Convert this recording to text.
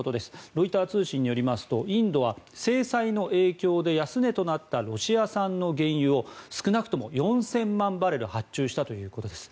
ロイター通信によりますとインドは制裁の影響で安値となったロシア産の原油を少なくとも４０００万バレル発注したということです。